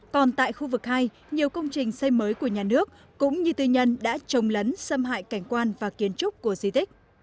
còn tại khu vực hai nhiều công trình xây mới của nhà nước cũng như tư nhân đã trồng lấn xâm hại cảnh quan và kiến trúc của di tích